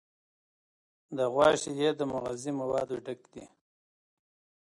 د غوا شیدې د مغذي موادو ډک دي.